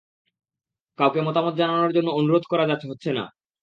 কাউকে মতামত জানানোর জন্য অনুরোধ করা হচ্ছে না।